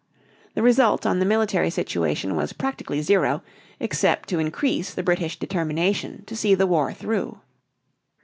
The result on the military situation was practically zero, except to increase the British determination to see the war through.